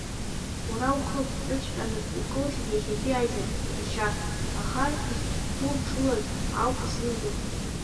Уара ухы ԥҽыҵәҟьаны укылсит иахьатәи аизарахь, сашьа, аха издԥуҽлаз ауп исзымдыруа!